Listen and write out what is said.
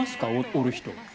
折る人。